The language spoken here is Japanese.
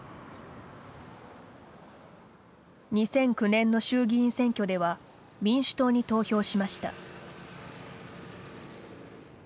２００９年の衆議院選挙では民主党に投票しました。